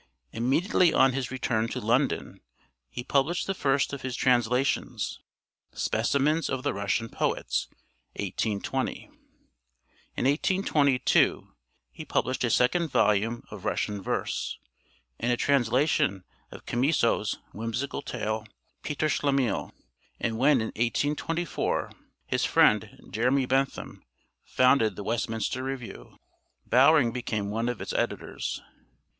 Immediately on his return to London he published the first of his translations, "Specimens of the Russian Poets" (1820). In 1822 he published a second volume of Russian verse and a translation of Chamisso's whimsical tale 'Peter Schlemihl'; and when in 1824 his friend Jeremy Bentham founded the Westminster Review, Bowring became one of its editors.